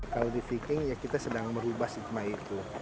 kalau di viking ya kita sedang merubah stigma itu